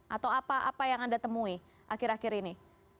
atau apa apa yang anda temui akhir akhir ini